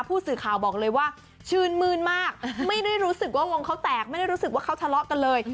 ผู้สื่อข่าวบอกเลยว่าชื่นมืนมากไม่ได้รู้สึกว่าวงเขาแตกไม่ได้รู้สึกว่าเขาทะเลาะกันเลย